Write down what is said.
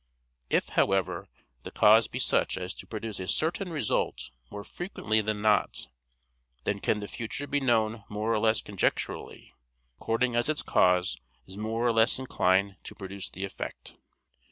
If, however, the cause be such as to produce a certain result more frequently than not, then can the future be known more or less conjecturally, according as its cause is more or less inclined to produce the effect.